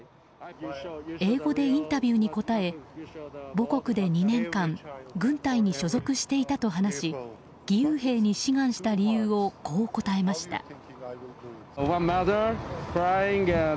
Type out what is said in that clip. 英語でインタビューに答え母国で２年間軍隊に所属していたと話し義勇兵に志願した理由をこう答えました。